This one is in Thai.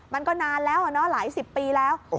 มันก็นานแล้วหลายสิบปีแล้ว